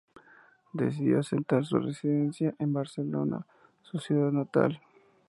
Decidió asentar su residencia en Barcelona, su ciudad natal.